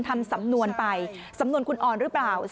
สองสามีภรรยาคู่นี้มีอาชีพ